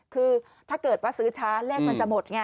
คือถ้าเกิดว่าซื้อช้าเลขมันจะหมดไง